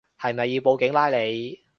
係咪要報警拉你